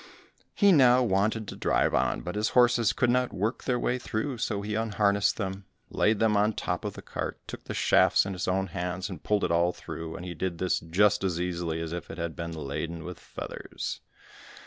He now wanted to drive on, but his horses could not work their way through, so he unharnessed them, laid them on the top of the cart, took the shafts in his own hands, and pulled it all through, and he did this just as easily as if it had been laden with feathers.